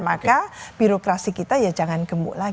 maka birokrasi kita ya jangan gemuk lagi